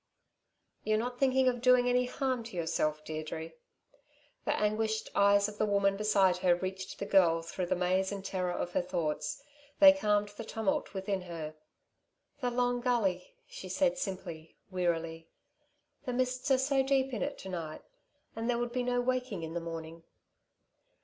"You're not thinking of doing any harm to yourself, Deirdre?" The anguished eyes of the woman beside her reached the girl through the maze and terror of her thoughts. They calmed the tumult within her. "The Long Gully," she said simply, wearily, "the mists are so deep in it to night, and there would be no waking in the morning."